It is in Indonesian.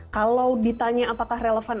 kalau ditanya apakah relevan